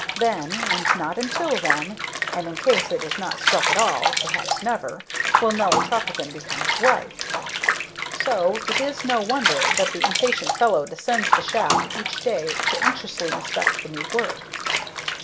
Then, and not until then and, in case it is not struck at all, perhaps never will Nelly Trefethen become his wife. So it is no wonder that the impatient fellow descends the shaft each day to anxiously inspect the new work.